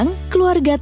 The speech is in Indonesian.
gak gak gak